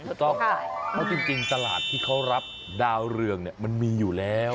ถูกต้องเพราะจริงตลาดที่เขารับดาวเรืองมันมีอยู่แล้ว